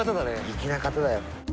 粋な方だよ。